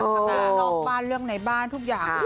น้องปั้นเรื่องในบ้านทุกอย่าง